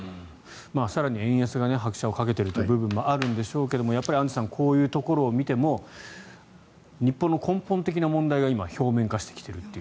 更に円安が拍車をかけている部分もあるんでしょうがアンジュさん、こういうところを見ても日本の根本的な問題が今、表面化してきていると。